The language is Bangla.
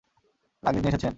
লাগেজ নিয়ে এসেছেন?